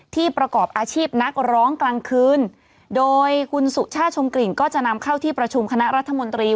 ประกอบอาชีพนักร้องกลางคืนโดยคุณสุชาติชมกลิ่นก็จะนำเข้าที่ประชุมคณะรัฐมนตรี